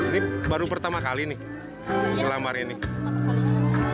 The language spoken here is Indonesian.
lulusan dari mana nek